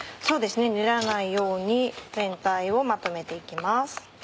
そうですね練らないように全体をまとめて行きます。